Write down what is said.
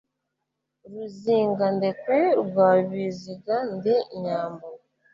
Ruzingandekwe rwa Biziga Ndi inyambo